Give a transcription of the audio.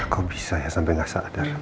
kok bisa ya sampe nggak sadar